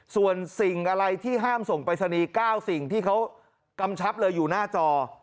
ส่วนสิ่งอะไรที่ห้ามส่งปริศนีย์๙สิ่งที่เขากำชับเลยอยู่หน้าจอ